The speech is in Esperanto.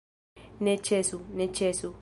Ne ĉesu, ne ĉesu!